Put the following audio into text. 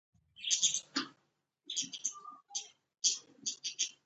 د خوست په قلندر کې د سمنټو مواد شته.